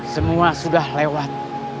semua sudah lewat